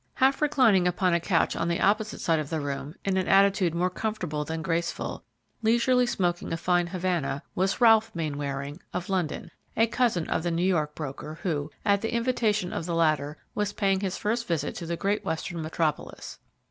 Half reclining upon a couch on the opposite side of the room, in an attitude more comfortable than graceful, leisurely smoking a fine Havana, was Ralph Mainwaring, of London, a cousin of the New York broker, who, at the invitation of the latter, was paying his first visit to the great western metropolis.